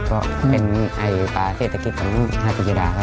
ก็เป็นปลาเศรษฐกิจของหาศิริราณีครับ